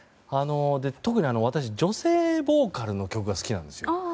特に私、女性ボーカルの曲が好きなんですよ。